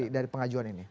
dari pengajuan ini